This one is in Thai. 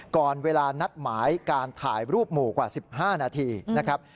ก่อนเวลานัดหมายการถ่ายรูปหมู่กว่า๑๕นาทีนะครับ